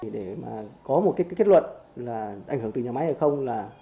để mà có một cái kết luận là ảnh hưởng từ nhà máy hay không là